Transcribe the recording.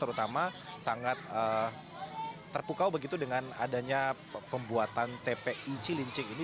terutama sangat terpukau begitu dengan adanya pembuatan tpi cilincing ini